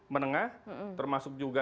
menengah termasuk juga